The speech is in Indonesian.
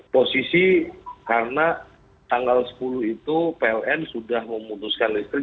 posisi karena tanggal sepuluh itu pln sudah memutuskan listrik